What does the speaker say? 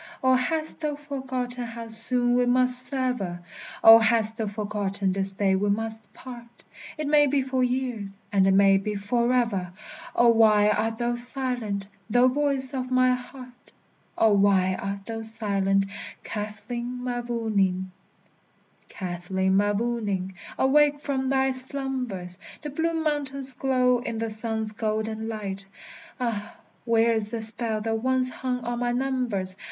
Oh, hast thou forgotten how soon we must sever? Oh! hast thou forgotten this day we must part? It may be for years, and it may be forever! Oh, why art thou silent, thou voice of my heart? Oh! why art thou silent, Kathleen Mavourneen? Kathleen Mavourneen, awake from thy slumbers! The blue mountains glow in the sun's golden light; Ah, where is the spell that once hung on my numbers?